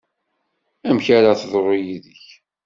Amek ara teḍru yid-k?